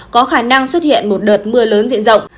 có khả năng xuất hiện một đợt mưa lớn diện rộng